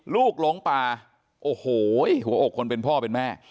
หลงป่าโอ้โหหัวอกคนเป็นพ่อเป็นแม่